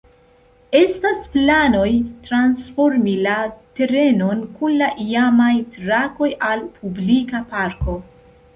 Estas planoj transformi la terenon kun la iamaj trakoj al publika parko.